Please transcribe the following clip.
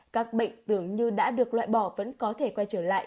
các bệnh tưởng như đã được loại bỏ vẫn có thể quay trở lại